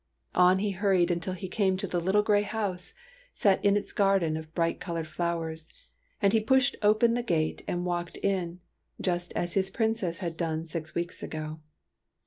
On he hurried until he came to the little grey house, set in its garden of bright coloured flowers ; and he pushed open the gate and walked in, just as his Princess had done six weeks ago.